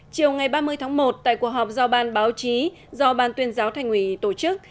chiều ngày ba mươi tháng một tại cuộc họp do ban báo chí do ban tuyên giáo thành ủy tổ chức